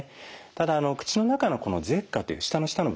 ただ口の中のこの舌下という舌の下の部分ですね